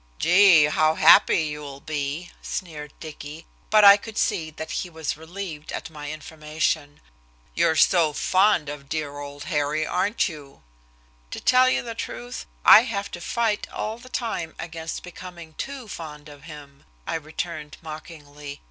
"Gee, how happy you'll be," sneered Dicky, but I could see that he was relieved at my information. "You're so fond of dear old Harry, aren't you?" "To tell you the truth, I have to fight all the time against becoming too fond of him," I returned mockingly.